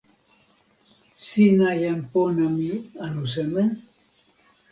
sina jan pona mi anu seme?